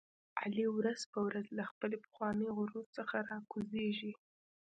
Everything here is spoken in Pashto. علي ورځ په ورځ له خپل پخواني غرور څخه را کوزېږي.